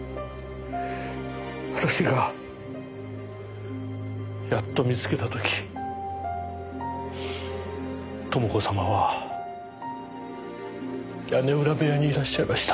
私がやっと見つけた時朋子様は屋根裏部屋にいらっしゃいました。